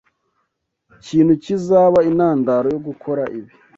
kintu kizaba intandaro yo gukora ikibi